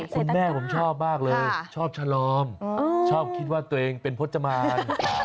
คุณแม่ผมชอบมากเลยชอบฉลอมชอบคิดว่าตัวเองเป็นพจมาน